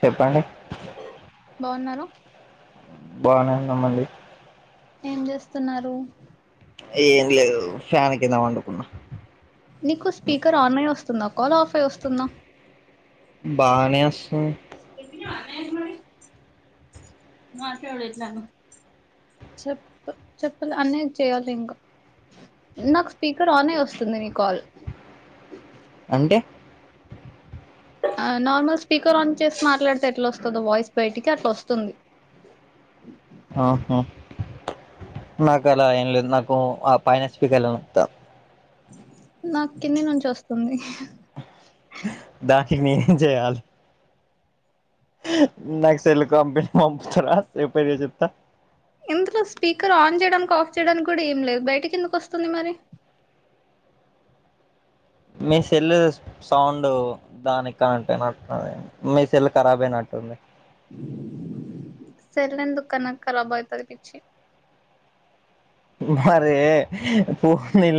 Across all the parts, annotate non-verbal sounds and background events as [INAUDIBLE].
చెప్పండి బాగున్నారా బానే ఉన్నమండి. ఏం చేస్తున్నారు. ఏం లేదు ఫ్యాన్ కింద పండుకున్న స్తుందా కాల్ ఆఫే వస్తుందా బాగానే వస్తుం చెప్ చెప్పుల్ అన్నయ్యకు చెయాలి ఇంకా నాకు స్పీకర్ ఆన్ అయి వస్తుంది నీ కాల్ అంటే ఆ నార్మల్ స్పీకర్ ఆన్ చేసి మాట్లాడితే ఎట్లా వస్తదో వాయిస్ బయటికి అట్లా వస్తుంది ఆహా నాకు అలా ఏం లేదు నాకు ఆ పైన స్పీకర్ లోనే వత్తాంది నాకు కింది నుంచి వస్తుంది దాకి నేనేం చేయాలి నాకు సెల్లు కంపెనీ పంపుతార సపరియా చెప్తా ఇందులో స్పీకర్ ఆన్ చేయడానికి ఆఫ్ చేయడానికి కూడా ఏం లేదు బయటకి ఎందుకు వస్తుంది మరి మీ సెల్లు సౌండ్ దానికి కనెక్ట్ అయినట్టు ఉన్నది మీ సెల్ కరాబ్ అయినట్టుంది సెల్ ఎందుకు కన కరాబ్ అయితది పిచ్చి మరి పూ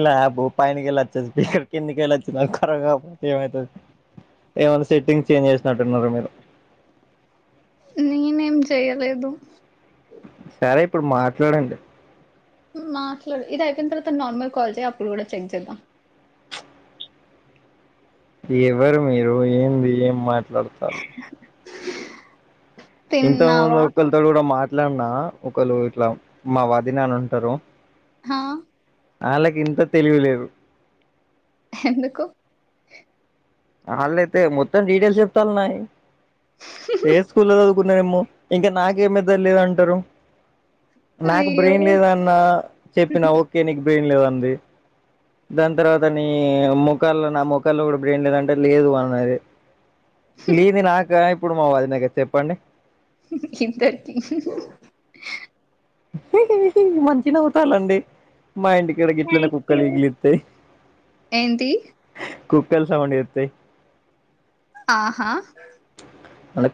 ల్యాబ్ పైనకెళ్ళి వచ్చది కిందకెల్లి వచ్చింది కరాబ్ కాకపోతే ఏమైతది ఏమన సెట్టింగ్ చేంజ్ చేసినట్టున్నారు మీరు నేనేం చెయలేదు సరే ఇప్పుడు మాట్లాడండి మాట్లాడు ఇది అయిపోయిన తర్వాత నార్మల్ కాల్ చైయ్యి అప్పుడు కూడా చెక్ చేద్దాం చుప్ ఎవరు మీరు ఏంది ఏం మాట్లాడతాలు ఇంతకు ముందు తిన్నావా ఒక్కల్తో కూడా మా మాట్లన్నా ఒకరు ఇట్లా మా వదిన అని ఉంటరు హా ఆళ్ళకి ఇంత తెలివిలేదు ఎందుకు ఆళ్ళయితే మొత్తం డీటెయిల్స్ చెప్తాలు నాయి ఏ స్కూల్లో చదువుకు న్నామో ఇంకా నాకేమీ తెలీదు అంటారు నాకు అయ్యో! బ్రెయిన్ లేదన్న చెప్పినా ఓకే నీకు బ్రెయిన్ లేదంది దాని తర్వాత నీ ముఖల్లో నా ముఖల్లో కూడా బ్రెయిన్ లే పెళ్లి లేదా నాక మా వదినకా నాక చెప్పండి ఇంతకి మంచిగా నవ్వుతాలండి మా ఇంటికాడ గిట్లనే థ్యాంక్ కుక్క యూ. ఇగిలిత్తాయి ఏంటి? కుక్కలు సౌండ్ చేతాయి ఆహా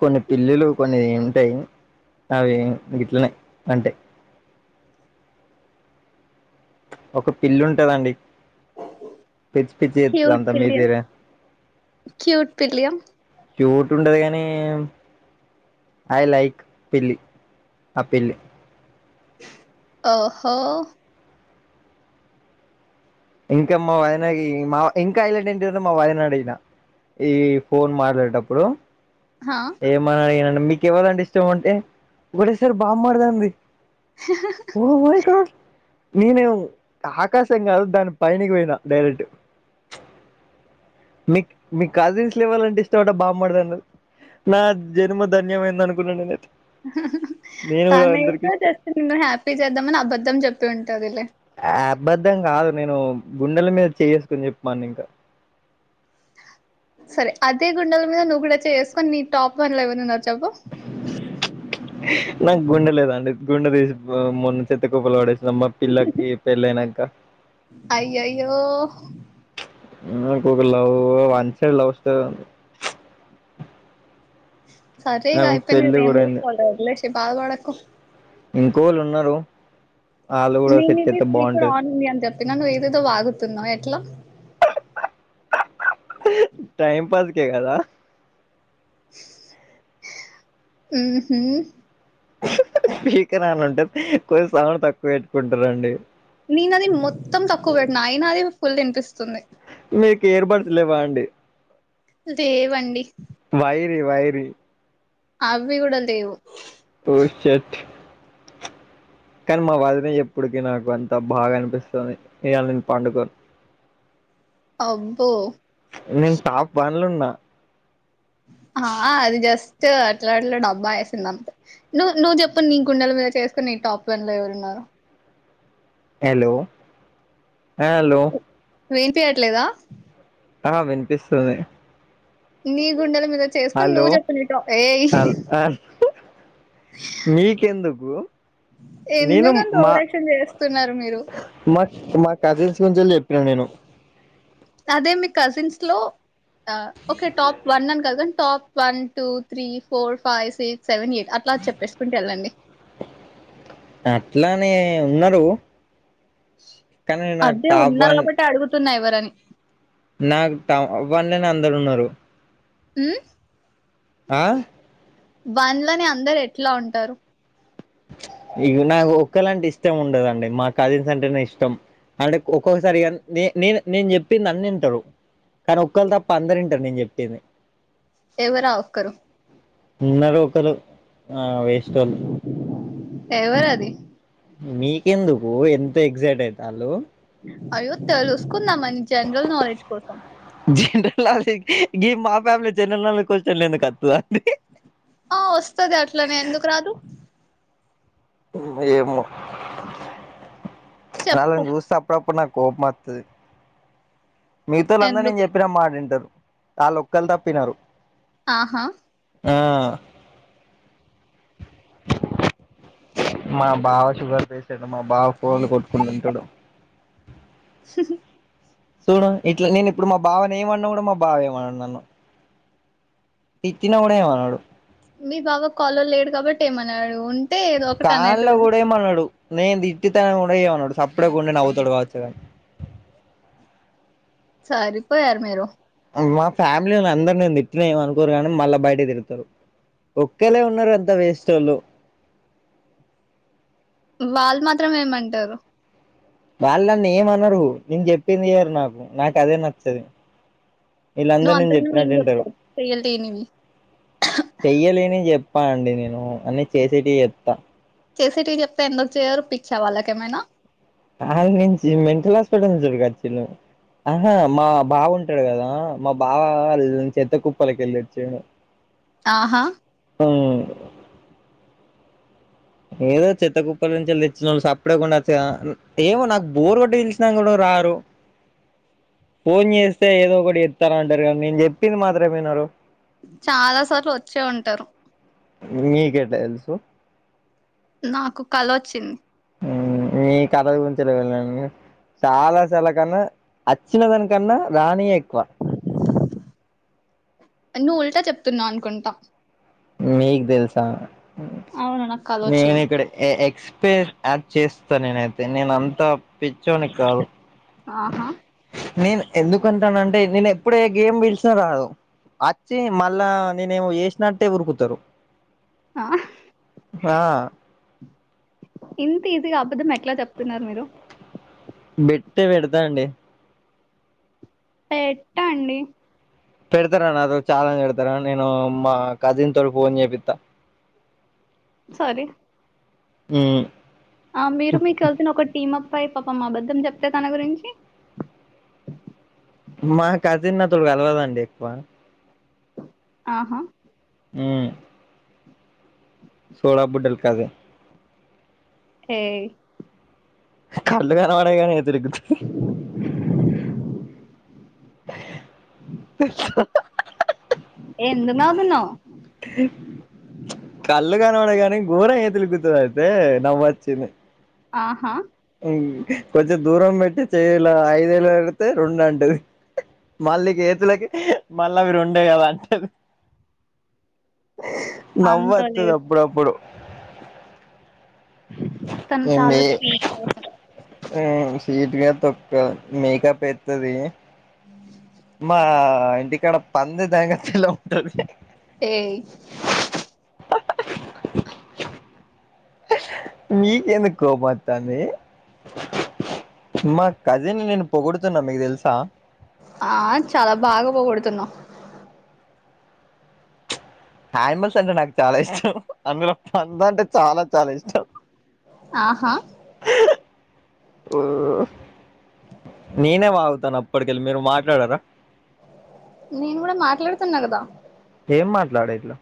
కొన్ని పిల్లులు కొన్ని ఉంటాయి అవి గిట్లనే అంటయ్ ఒక పిల్లింటదండి పిచ్చి పిచ్చి చెత్తది క్యూట్ అంతా మీ పిల్లియా. పేరు క్యూట్ పిల్లియ క్యూట్టండది గాని ఐ లైక్ పిల్లి ఆ పిల్లి ఓహో ఇంకా మా వదిన కి మా ఇంకా హైలైట్ ఏంటిదంటే మా వదినని అడిగిన ఈ ఫోన్ మాట్లాడేటప్పుడు ఆ! ఏమని అడిగిన మీకు ఎవరంటే ఇష్టం అంటే ఒకటేసారి బావమరిది అంది ఓ కొడుకో నేను ఆకాశం కాదు దాని పైనికి పోయినా డైరెక్ట్ నీకు నీకు కజిన్స్ల ఎవ్వలంటే ఇష్టం అంటె బావమరిది అన్నది నా జన్మ ధన్యమైంది అనుకున్న నేనైతే నేను కూడా తను అందరికి ఏదో ఇష్ట చెప్పి నిన్ను హ్యాపీ చేద్దామని అబద్ధం చెప్పి ఉంటదిలే అబద్ధం కాదు నేను గుండెల మీద చేయేసుకొని చెప్పుమన్న ఇంకా ఐస్ హ సరే అదే గుండెల మీద నువ్వు కూడా చేయేసుకొని నీ టాప్ వన్ల ఎవరున్నరో చెప్పు నాకు గుండె లేదండి గుండె తీసి మొన్న చెత్త కుప్పల పడేసిన మా పిల్లకి పెళ్ళయినంక అయ్యయ్యో నాకొక లవ్ వన్సైడ్ లవ్ స్టోరీ మనది సరే ఇగ ఆమెకు పెళ్లి కూడా అయిపొయింది కదా వదిలేసేయ్ బాధపడకు ఇంకోకలు ఉన్నరు నేనిది స్పీకర్ ఆన్ ఉందని చెప్పిన నువ్వు ఏదేదో వాగుతున్నావ్ తున్నావు ఎట్లా టైమ్ పాస్ కే కదా హు హుమ్మ్ స్పీకర్ ఆన్లో ఉంటే కొద్దిగా సౌండ్ తక్కువ పెట్టుకుంటరండి నేనది మొత్తం తక్కువ పెట్టినా అయినా అది ఫుల్ వినిపిస్తుంది మీకు ఇయర్ బడ్స్ లేవా అండి లేేవండి వైరియి వైరియి అవి కూడ లేవు ఓ షట్ కానీ మా వదిన చెప్పుడికి నాకు అంత బాగా అనిపిస్తుంది ఇయ్యాల నేను పండుకోను అబ్బో నేను టాప్ వన్లున్నా ఆ అది జస్ట్ అట్లా అట్లా డబ్బా వేసింది అంతే నువ్వు నువ్వు చెప్పు నీ గుండెల మీద చేయేసుకుని నీ టాప్ వన్ లో ఎవరున్నరో హలో హలో వినిపియ్యట్లేదా ఆ వినిపిస్తుంది నీ గుండెల మీద చేయేసుకొని హలో నువ్వు చెప్పు నీ టాప్ ఏయి హల్ హల్ మీకెందుకు నేను ఎందుకంత మా ఓవరాక్షన్ చేస్తున్నారు మీరు మ మ కజిన్స్ గురించెలి చెప్పిన నేను అదే మీ కజిన్స్ లో ఓక టాప్ వన్ అని cousin top one two three four five six seven eight అట్లా చెప్పేసుకుంటు వెళ్ళండి అట్లానే ఉన్నరు అదే ఉన్నరు వన్ కాబట్టి అడుగుతున్నా ఎవరని నాకు ట వన్లేను అందరు ఉన్నారు హ్మ్ అ! వన్లని అందరు ఎట్లా ఉంటరు ఇగ నాకు ఒక్కలంటే ఇష్టం ఉండదండి మా కజిన్స్ అంటేనే ఇష్టం అంటే ఒక్కొక్కసారి నే నేను నేను చెప్పింది అన్ని ఇంటరు కానీ ఒక్కళ్ తప్ప అందరు ఇంటరు నేను చెప్పేది ఎవరు ఆ ఒక్కరు ఉన్నరు ఒకరు ఆ వేస్ట్ వోళ్ళు ఎవర అది మీకెందుకు ఇంత ఎగ్జైట్ అయితాళ్ళు అయ్యో తెలుసుకుందామని జనరల్ నాలెడ్జ్ కోసం జనరల్ నాలెడ్జ్ గి మా ఫ్యామిలీ జనరల్ నాలెడ్జ్ కొశ్చన్లో ఎందుకు వత్తదండి ఆ వస్తది అట్లనే ఎందుకు రాదు ఏమో చెప్పు ఆళ్ళని జూస్తే అపుడప్పుడు నాకు కోపమొత్తది. మీతోలందర్ నేను ఎందుకు చెప్పిన మాట ఇంటరు ఆళ్ళొక్కల్ తప్పి ఇనరు ఆహా ఆ... మా బావ షుగర్ పసాడు మా బావ కోలు కొట్టుకుని ఉంటడు సర చూడు ఇట్లా నేను ఇప్పుడు మా బావని ఏమన్నా కూడా మా బావ ఏమనడు నన్ను తిట్టిన కూడా ఏమనడు మీ బావ కాల్లో లేడు కాబట్టి ఏమనడు కాల్లో గూడా ఏమనడు నేన్ తిట్టిద కూడ ఎమనడు సప్పుడు గుండి నవ్వుతడు వాచ సరిపోయరు మీరు మా ఫ్యామిలీ అందర్ నను తిట్టిన ఏమ్ అనుకోరు కానీ మళ్ళా బయటే తిడతారు ఒక్కేలే ఉన్నారు అంత వేస్ట్ వోళ్ళు వాళ్ మాత్రం ఏమంటారు వాళ్ళు నన్ను ఏమనరు నేను చెప్పింది ఇయ్యరు నాకు నాకు అదే నచ్చదు నువ్వు వీళ్ళందరూ నేను అంతకన్నా ఏం చెప్పినట్టు ఇంటరు చెప్తావు చేయలేనివి చెయ్యలేని చెప్ ప్ప అండి నేను అన్ని చేసేటియ్ చెస్తా చేసేటియ్ చెప్తే ఎందుకు చేయరు పిచ్చా వాళ్ళకేమైనా ఆళ్ నుంచి మెంటల్ హాస్పిటల్ దొరకొచ్చినమ్ ఆహా మా బావ ఉంటాడు కదా మా బావ చెత్త కుప్పలకి ఎళ్ళొచ్చాడు. ఆహా హ్మ్మ్ ఏదో చెత్త కుప్పల నుంచి తెచ్చిన వోళ్ళు సప్పుడగుండచ్చుగ ఏమో నాకు బోర్ కొట్టి పిలిచినా కూడా రారు [INAUDIBLE] ఫోన్ చేస్తే ఏదో ఒకటి చెప్తారంటరుగ నేను చెప్పింది మాత్రం వినరు చాలా సార్లు వచ్చే ఉంటారు నీకే తెలుసు నాకు కళొచ్చింది మీ కద గురించిలా వెళ్ళాం [UNINTELLIGIBLE] చాలా చాలా కన్నా అచ్చిన దానికన్నా రానివే ఎక్కువ నువ్వు ఉల్టా చెప్తున్నావు అనుకుంటా మీక్ దెల్సా అవును నాకు కల నేను వచ్చింది ఇక్కడ ఏ ఎక్స్పీ యాడ్ చేస్ త్తా నేనైతే నేను అంతా పిచ్చోనిక్ కాదు ఆహా నేను ఎందుకుంటానంటే నేను ఎప్పుడ ఏ గేమ్ పిలిచినా రాదు అచ్చి మళ్ళా నేనేమో జేసినట్టే ఉరుకుతరు ఆ హా ఇంత ఈజీగా అపద్ధం ఎట్లా చెప్తున్నారు మీరు అట్టే పెడదా అండి పెట్టండి పెడతారా నాతో చాలెంజ్ పెడతారా నేను మా కజిన్ తోటి ఫోన్ చేపిత్తా సారీ ఉ ఆ మీరు మీ కజిన్ ఒక టీమప్ పై పాపం అబద్ధం జెప్తే తన గురించి మా కజిన్ నాతోటి కల్వదండి ఎక్కువ ఆహ ఊ సోడా బుడ్డల్కదె ఏయ్ కళ్ళు కనపడవు గాని [UNINTELLIGIBLE] [INAUDIBLE] ఎందుకు నవ్వుతున్నావు? కళ్ళు కనపడవు గా ఘోర [UNINTELLIGIBLE] అయితే నవ్వొచ్చింది ఆహ కొంచెం దూరం బెట్టి చెయ్యిలా ఐదేళ్ళ పెడితే రొండు అంటది మళ్ళీ గేతులకి మళ్ళ అవి రొండే గదా అంటది [INAUDIBLE] అంత నవ్వొత్తది లేదు. అప్పుడప్పుడు తను ఏందీ చాలా స్వీట్ పర్సన్. ఊ స్వీట్ గా తొక్కద మేకప్ అయితది మా ఇంటిక్కాడ పంది దాంగఫిలో ఏయ్ నీకెందుకు కోప్మత్తాంది మా కజిన్ని నేను పొగుడుతున్నా మీకి దెలుసా ఆ చాలా బాగా పొగుడుతున్నావ్ ఆనిమల్స్ అంటే నాకు చాలా ఇష్టం అందులో పందంటే చాలా చాలా ఇష్టం ఆహా ఊ నేనే వాగుతాన్న అప్పటికెళ్ళి మీరు మాట్లాడారా నేను కూడా మాట్లాడుతున్నా కదా ఏం మాట్లాడ ఇట్లా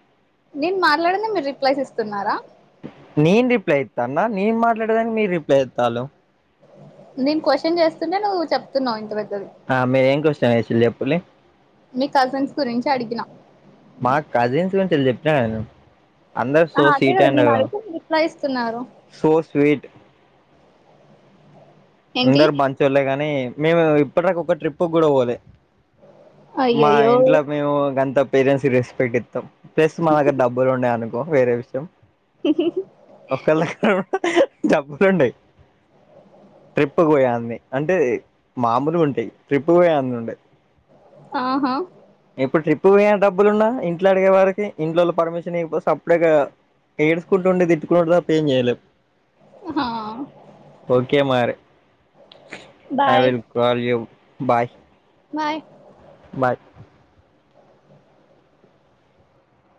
నేను మాట్లాదండే మీరు రిప్లైస్ ఇస్తున్నారా నేను రిప్లై ఇత్తన్న నేను మాట్లాడేదానికి మీరు రిప్లై ఇత్తర్ నేను క్వషన్ చేస్తుంటే నువ్వు చెప్తున్నావు ఇంత పె మీరు ఏం క్వశ్చన్ వేసిల్లు చెప్పుల్లి మీ కజిన్స్ గురించి అడిగినా మాకు కజిన్స్ గురించి చెప్పినా గాధ నేను అందరు ఆ! సో అదే స్వీట్ కదా అంట నేను గాద అడిగితే మీరు రిప్లై ఇస్తున్నారు. సో స్వీట్ ఏంటి? అందరు మంచి వోళ్లే గానీ మేము ఇప్పటి దాకా ఒక ట్రిప్ కూడా పోలే మా అయ్యయ్యో! ఇంట్ల మేము గంతా పేరెంట్స్ కి రెస్పెక్ట్ ఇస్తాం ప్లస్ మ దగ్గర డబ్బులు ఉండాయి అనుకో వేరే విషయం ఒక దగ్గర కూడా చెప్పకండి. ట్రిప్పుకి పోయా అన్ని అంటే మామూలు ఉంటాయి ట్రిప్పు పోయే అన్నీ ఉండయి. ఆహా ఇప్పుడు ట్రిప్ పోయే డబ్బులు ఉన్నా ఇంట్లో అడిగే వారికి ఇంట్లోళ్ళు పర్మిషన్ ఇయ్యకపోతే సప్పుడేకా ఏడ్స్ కుంటా ఉండి తిట్కుకునుడు తప్ప ఏం చేయలేం. హా ఓకే మారీ I bye will call you bye bye bye